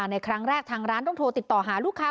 ในครั้งแรกทางร้านต้องโทรติดต่อหาลูกค้า